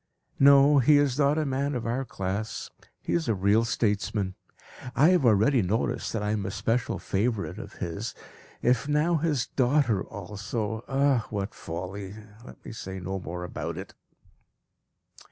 No, he is not a man of our class; he is a real statesman. I have already noticed that I am a special favourite of his. If now his daughter also ah! what folly let me say no more about it!